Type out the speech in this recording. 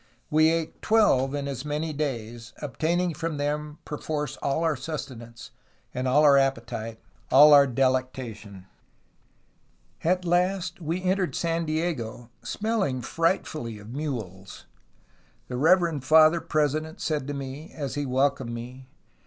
We ate twelve in as many days, obtaining from them perforce all our sustenance, all our appetite, all our delectation. "At last we entered San Diego, smelling frightfully of mules. The reverend father president said to me, as he welcomed me.